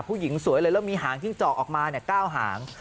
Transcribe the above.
ผู้หญิงสวยเลยแล้วมีหางจิ้งจอกออกมาเก้าหาง